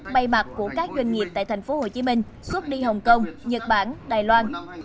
bay mặt của các doanh nghiệp tại tp hcm xuất đi hồng kông nhật bản đài loan